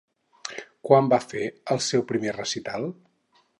Quan va fer el seu primer recital?